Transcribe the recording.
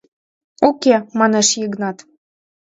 — Уке, — манеш Йыгнат.